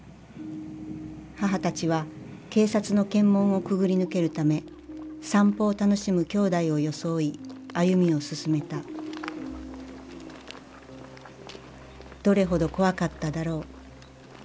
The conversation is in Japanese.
母たちは警察の検問をくぐり抜けるため散歩を楽しむきょうだいを装い歩みを進めたどれほど怖かっただろう。